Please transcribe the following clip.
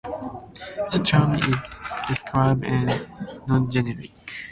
The term is descriptive and non-genetic.